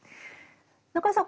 中江さん